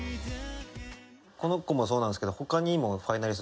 この子もそうなんですけど他にも。